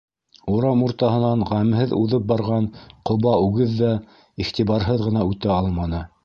Урам уртаһынан ғәмһеҙ уҙып барған ҡоба үгеҙ ҙә иғтибарһыҙ ғына үтә алманы.